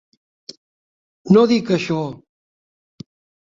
No dic això.